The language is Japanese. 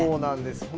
そうなんです。